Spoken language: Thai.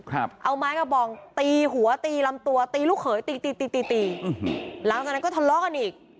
เอาไม้กระบองตีหัวตีลำตัวตีลูกเขยตีตีตีตีหลังจากนั้นก็ทะเลาะกันอีก